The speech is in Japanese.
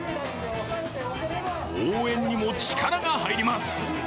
応援にも力が入ります。